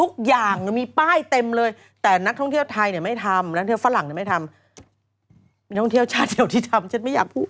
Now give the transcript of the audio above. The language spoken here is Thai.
ก็ชาติเดี่ยวที่ทำฉันไม่อยากพูด